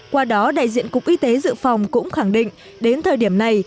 qua đó đại diện cục y tế dự phòng cũng khẳng định đến thời điểm này